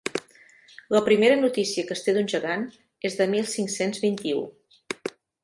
La primera notícia que es té d'un Gegant és de mil cinc-cents vint-i-u.